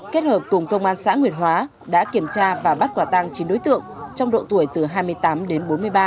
kết hợp cùng công an xã nguyệt hóa đã kiểm tra và bắt quả tăng chín đối tượng trong độ tuổi từ hai mươi tám đến bốn mươi ba